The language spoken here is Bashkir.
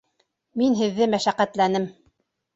Мин һеҙҙе мәшәҡәтләнем.